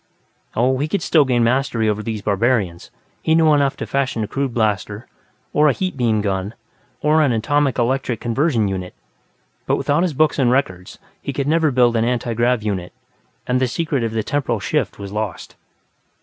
Oh, he could still gain mastery over these barbarians; he knew enough to fashion a crude blaster, or a heat beam gun, or an atomic electric conversion unit. But without his books and records, he could never build an antigrav unit, and the secret of the "temporal shift" was lost.